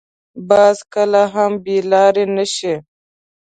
باز کله هم بې لارې نه شي